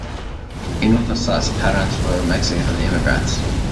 Hinojosa's parents were Mexican immigrants.